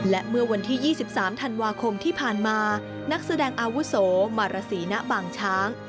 และเมื่อวันที่๒๓ธันวาคมที่ผ่านมานักแสดงอาวุโสมารสีณบางช้าง